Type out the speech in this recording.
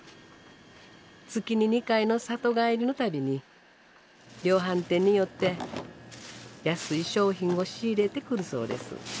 月に２回の里帰りの度に量販店に寄って安い商品を仕入れてくるそうです。